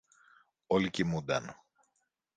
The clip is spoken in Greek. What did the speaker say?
Όλοι κοιμούνταν.